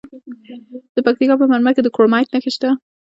د پکتیکا په برمل کې د کرومایټ نښې شته.